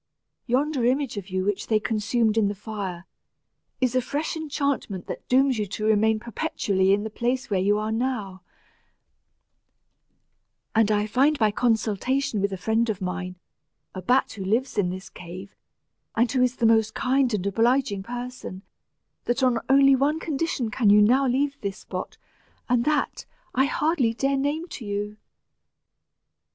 Yonder image of you which they consumed in the fire, is a fresh enchantment that dooms you to remain perpetually in the place where you now are; and I find by consultation with a friend of mine, a bat who lives in this cave, and who is the most kind and obliging person, that on only one condition can you now leave this spot, and that, I hardly dare name to you."